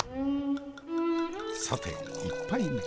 さて１杯目。